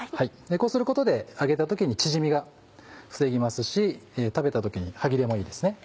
こうすることで揚げた時に縮みが防げますし食べた時に歯切れもいいですね。